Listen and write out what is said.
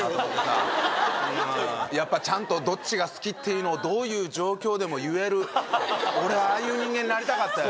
ちゃんとどっちが好きというのをどういう状況でも言える俺はああいう人間になりたかったよ。